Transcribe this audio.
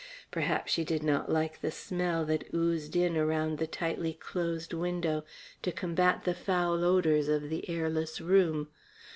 Perhaps she did not like the smell that oozed in around the tightly closed window to combat the foul odours of the airless room.